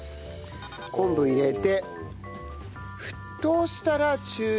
昆布入れて沸騰したら中火か。